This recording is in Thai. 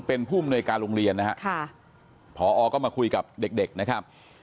เป็นผู้มนุยการโรงเรียนนะครับพอก็มาคุยกับเด็กนะครับ